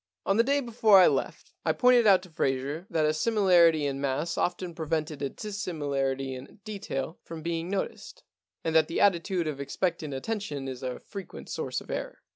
* On the day before I left I pointed out to Fraser that a similarity in mass often pre vented a dissimilarity in detail from being noticed, and that the attitude of expectant attention is a frequent source of error.